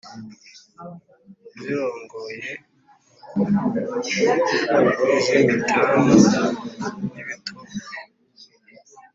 zirongoye iz’imitamu n’ibitobo,